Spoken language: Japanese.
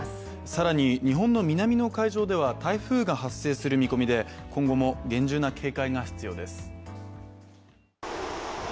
更に日本の南の海上では台風が発生する見込みで今後も厳重な警戒が必要です。